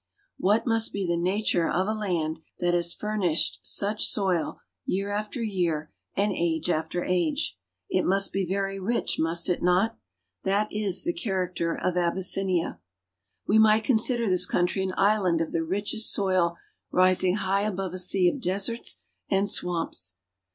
What must be the nature of .8 land that has furnished such soil year after year and age after age.' It must be very rich, must it not? That is the character of Abyssinia, We might consider this country an island of the richest ■aoil rising high above a sea of deserts and swamps.